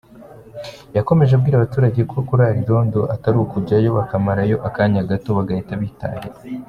Yakomeje abwira abaturage ko kurara irondo atari ukujyayo bakamarayo akanya gato bagahita bitahira.